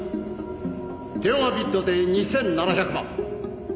「電話ビッドで２７００万」